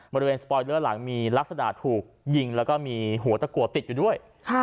บริเวณสปอยเลอร์หลังมีลักษณะถูกยิงแล้วก็มีหัวตะกัวติดอยู่ด้วย